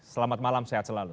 selamat malam sehat selalu